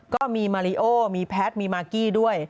ก็มีมาริโอมีแพทย์มีมากกี้ด้วย